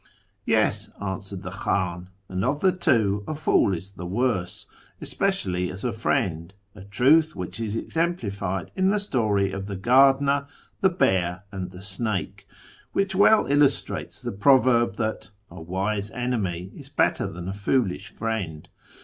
" Yes," answered the Kh;in, " and of the two a fool is the worse, especially as a friend, a truth which is exemplified in the story of the Gardener, the Bear, and the Snake, which well illustrates the proverb that ' A wise enemy is better tlian a foolish friend.'